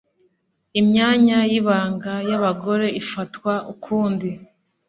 imyanya y'ibanga y'abagore ifatwa ukundi